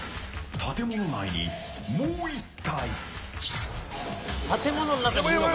建物内に、もう１体。